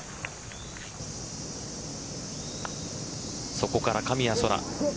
そこから神谷そら。